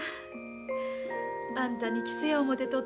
あんたに着せよう思てとっ